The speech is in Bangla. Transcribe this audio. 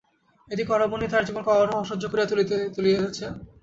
এ দিকে হরিমোহিনী তাহার জীবনকে অহরহ অসহ্য করিয়া তুলিয়াছেন।